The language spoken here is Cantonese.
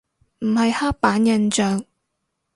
唔係刻板印象